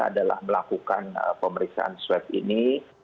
adalah melakukan pemeriksaan swab ini